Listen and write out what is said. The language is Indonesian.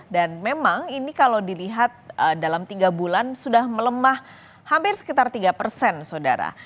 dan memang ini kalau dilihat dalam tiga bulan sudah melemah hampir sekitar tiga persen saudara